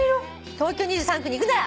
「東京２３区に行くなら」